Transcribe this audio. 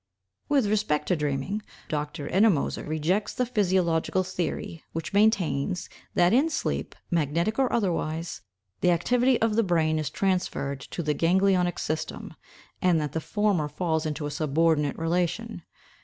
With respect to dreaming, Dr. Ennemoser rejects the physiological theory, which maintains, that in sleep, magnetic or otherwise, the activity of the brain is transferred to the ganglionic system, and that the former falls into a subordinate relation.